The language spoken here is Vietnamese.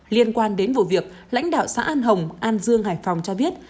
liên quan đến vụ việc lãnh đạo xã an hồng an dương hải phòng cho biết